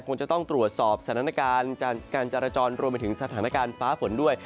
คงจะต้องตรวจสอบสถานการณ์การจราจรรวมไปถึงสถานการณ์ฟ้าฝนด้วย